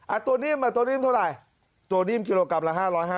ตัวนิ่มอ่ะตัวนิ่มเท่าไหร่ตัวนิ่มกิโลกรัมละ๕๕๐